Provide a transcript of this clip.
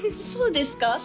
そうですか？